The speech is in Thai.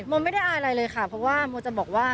โมไม่ได้อะไรเลยค่ะเพราะว่าโมจะบอกว่า